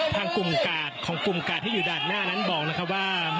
ทางกลุ่มกาดของกลุ่มกาดที่อยู่ด้านหน้านั้นบอกนะครับว่า